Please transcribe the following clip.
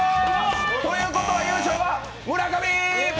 ということは、優勝は村上！